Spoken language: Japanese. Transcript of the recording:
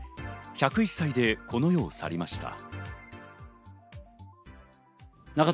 １０１歳で、この世を去りました。